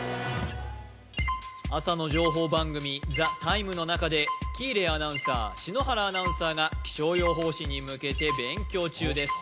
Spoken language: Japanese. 朝の情報番組「ＴＨＥＴＩＭＥ，」のなかで喜入アナウンサー篠原アナウンサーが気象予報士に向けて勉強中です